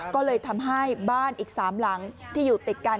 ก็เลยทำให้บ้านอีก๓หลังที่อยู่ติดกัน